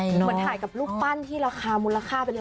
เหมือนถ่ายกับรูปปั้นที่ราคามูลค่าไปเลย